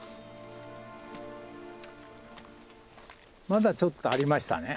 まだちょっとありましたね。